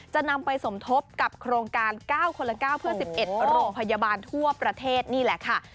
จะนำไปสมทบกับโครงการ๙คนละ๙เพื่อ๑๑โรงพยาบาลทั่วประเทศนี่แหละค่ะ